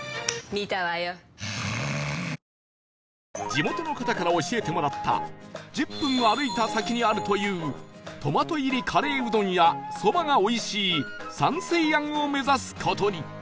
地元の方から教えてもらった１０分歩いた先にあるというトマト入りカレーうどんや蕎麦がおいしい山水庵を目指す事に